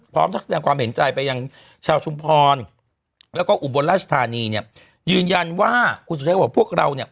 พร้อมทักแสนกว่าเห็นใจไปยังชาวชุมพลแล้วก็อุบลราชธานีเนี่ยยืนยันว่าคุณสุดท้ายว่าพวกเราเนี่ย